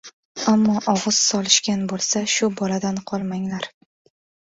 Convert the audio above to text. — Ammo og‘iz solishgan bo‘lsa shu boladan qolmanglar.